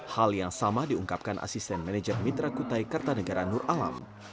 hal yang sama diungkapkan asisten manajer mitra kutai kartanegara nur alam